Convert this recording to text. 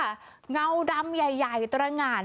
นี่ค่ะเงาดำใหญ่ตรง่าน